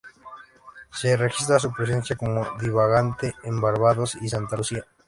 Se registra su presencia como divagante en Barbados y Santa Lucía.